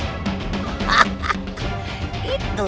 itu sampai akhirnya